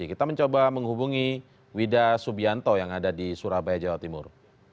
kita mencoba menghubungi wida subianto yang ada di surabaya jawa timur